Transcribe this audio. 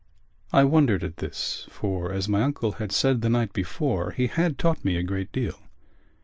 I wondered at this for, as my uncle had said the night before, he had taught me a great deal.